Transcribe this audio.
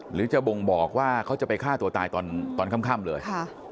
หรือจะบ่งบอกว่าเขาจะไปฆ่าตัวตายตอนค่ำเลย